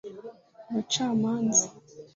abacamanza